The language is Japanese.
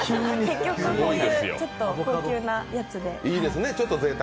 結局ちょっとこういう高級なやつで。